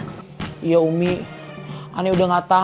tapi selamat puture